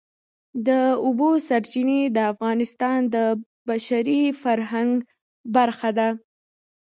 د اوبو سرچینې د افغانستان د بشري فرهنګ برخه ده.